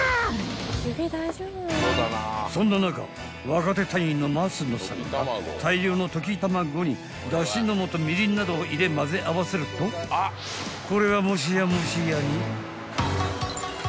［そんな中若手隊員の松野さんが大量の溶き卵にだしの素みりんなどを入れまぜ合わせるとこれは］